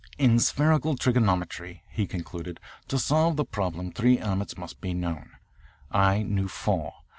"In spherical trigonometry," he concluded, "to solve the problem three elements must be known. I knew four.